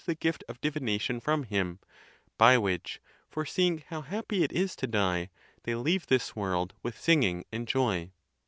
41 the gift of divination from him, by which, foreseeing how happy it is to die, they leave this world with singing and joy.